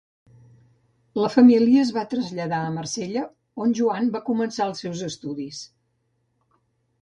La família es va traslladar a Marsella, on Joan va començar els seus estudis.